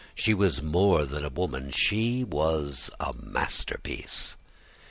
She was more than a woman; she was a masterpiece!